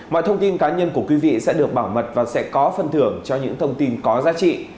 mọi thông tin cá nhân của quý vị sẽ được bảo mật và sẽ có phân thưởng cho những thông tin có giá trị